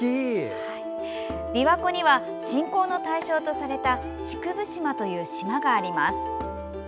琵琶湖には信仰の対象とされた竹生島という島があります。